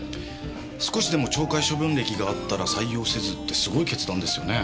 少しでも懲戒処分歴があったら採用せずってすごい決断ですよね。